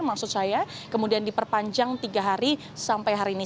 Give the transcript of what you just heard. maksud saya kemudian diperpanjang tiga hari sampai hari ini